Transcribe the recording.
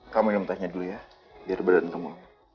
kamu minum tehnya dulu ya biar berat ketemu